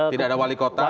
tidak ada wali kota